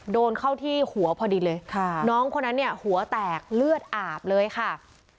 โดนเข้าที่หัวพอดีเลยค่ะน้องคนนั้นเนี่ยหัวแตกเลือดอาบเลยค่ะ